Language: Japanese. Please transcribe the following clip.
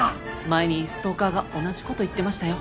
前にストーカーが同じ事言ってましたよ。